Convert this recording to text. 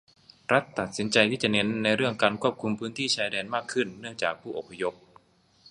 รัฐตัดสินใจที่จะเน้นในเรื่องการควบคุมพื้นที่ชายแดนมากขึ้นเนื่องจากผู้อพยพ